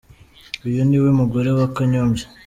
Uyu ni we mugore wa Kanyombya.